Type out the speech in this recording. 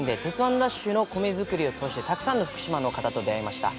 ＤＡＳＨ！！の米作りを通して、たくさんの福島の方と出会いました。